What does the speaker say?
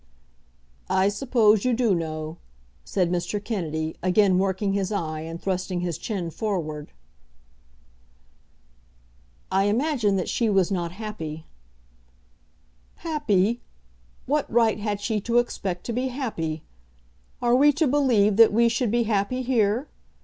"I suppose you do know," said Mr. Kennedy, again working his eye, and thrusting his chin forward. [Illustration: The Laird of Loughlinter.] "I imagine that she was not happy." "Happy? What right had she to expect to be happy? Are we to believe that we should be happy here?